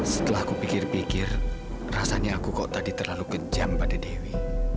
setelah aku pikir pikir rasanya aku kok tadi terlalu kejam pada dewi